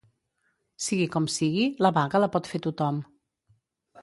Sigui com sigui, la vaga la pot fer tothom.